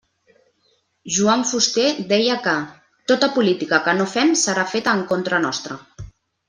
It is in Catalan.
Joan Fuster deia que “tota política que no fem serà feta en contra nostra”.